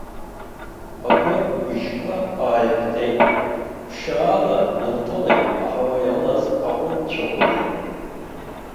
Агәаԥбыжьқәа ааиқәтәеит, ԥшьаала илҭалеит аҳауа иалаз аҟәыдцәақәагьы.